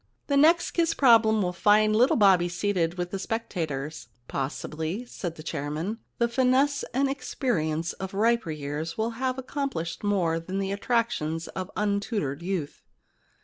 The next kiss problem will find little Bobby seated with the spectators.* 28 The Kiss Problem * Possibly,' said the chairman, * the finesse and experience of riper years will have accom plished more than the attractions of untutored youth.